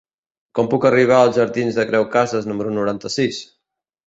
Com puc arribar als jardins de Creu Casas número noranta-sis?